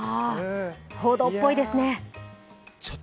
報道っぽいですね。